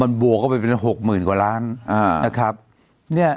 มันบวกเข้าไปเป็นหกหมื่นกว่าล้านอ่านะครับเนี่ย